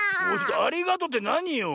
ありがとうってなによ？